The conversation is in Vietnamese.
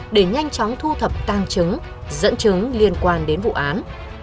để nhanh chóng thu thập tăng chứng dẫn chứng liên quan đến vụ án